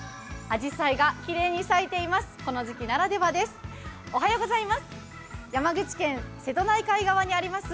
あじさいがきれいに咲いています。